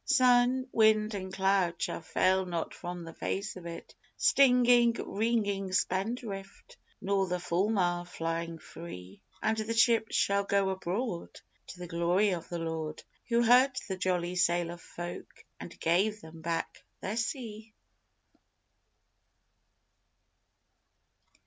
_Sun, wind, and cloud shall fail not from the face of it, Stinging, ringing spindrift, nor the fulmar flying free; And the ships shall go abroad To the glory of the Lord Who heard the silly sailor folk and gave them back their sea!